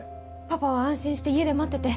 パパは安心して家で待ってて。